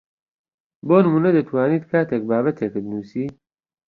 بۆ نموونە دەتوانیت کاتێک بابەتێکت نووسی